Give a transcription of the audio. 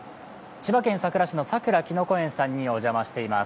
千葉県佐倉市の佐倉きのこ園さんにお邪魔しています。